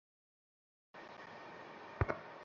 সে সেদেশে যেখানে ইচ্ছা অবস্থান করতে পারত।